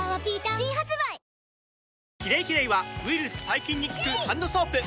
新発売「キレイキレイ」はウイルス・細菌に効くハンドソープ！